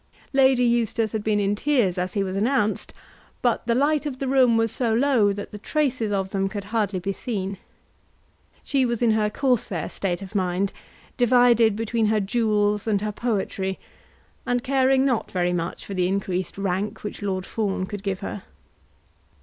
Lady Eustace had been in tears as he was announced, but the light of the room was so low that the traces of them could hardly be seen. She was in her Corsair state of mind, divided between her jewels and her poetry, and caring not very much for the increased rank which Lord Fawn could give her.